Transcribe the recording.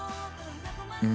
うん。